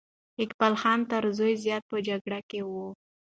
اقبال خان تر زوی زیات په جګړه کې وو.